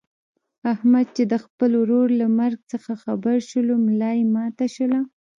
احمد چې د خپل ورور له مرګ څخه خبر شولو ملایې ماته شوله.